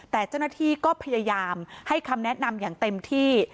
แต่เจ้าหน้าที่ก็พยายามให้คำแนะนำอย่างเต็มที่